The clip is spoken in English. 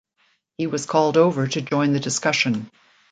He was called over to join the discussion.